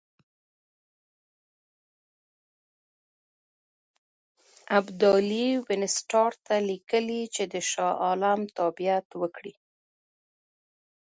ابدالي وینسیټارټ ته لیکلي چې د شاه عالم تابعیت وکړي.